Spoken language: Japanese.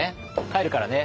帰るからね。